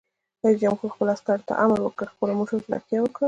رئیس جمهور خپلو عسکرو ته امر وکړ؛ په خپلو مټو تکیه وکړئ!